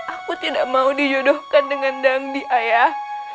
aku tidak mau dijodohkan dengan dandi ayah